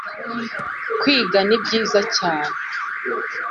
Kwiga ni byiza cyane.